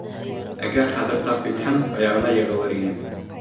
Әгәр хәҙер тап итһәм, аяғына йығылыр инем!